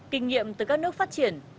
kinh nghiệm từ các nước phát triển